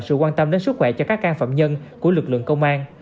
sự quan tâm đến sức khỏe cho các can phạm nhân của lực lượng công an